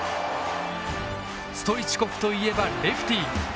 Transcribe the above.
ストイチコフといえばレフティー。